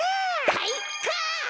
かいか！